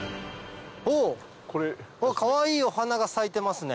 おぉかわいいお花が咲いてますね。